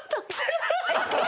アハハハ！